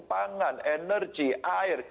pangan energi air